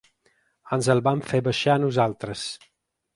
Ens el van fer baixar a nosaltres.